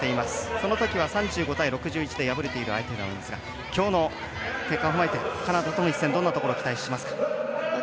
そのときは３５対６１で敗れている相手ですがきょうの結果踏まえてカナダとの一戦どんなところを期待しますか。